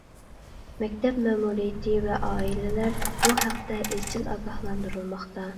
مەكتەپ مەمۇرىيىتى ۋە ئائىلىلەر بۇ ھەقتە ئىزچىل ئاگاھلاندۇرۇلماقتا.